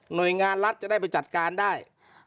โดยงานรัฐจะได้ไปจัดการได้